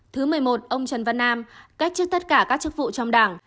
thứ mười một ông trần văn nam cách trước tất cả các chức vụ trong đảng